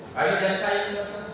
akhirnya saya tidak paham